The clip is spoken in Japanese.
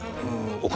お金？